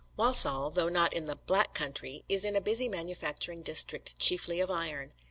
Walsall, though not in the "Black Country," is in a busy manufacturing district, chiefly of iron.